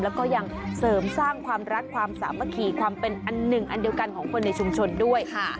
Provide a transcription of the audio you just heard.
แล้วก็ยังเสริมสร้างความรักความสามารถของคนในชุมชนด้วย